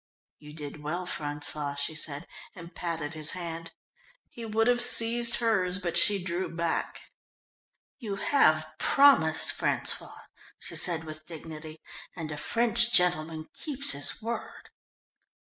"You did well, François," she said, and patted his hand. He would have seized hers, but she drew back. "You have promised, François," she said with dignity, "and a French gentleman keeps his word."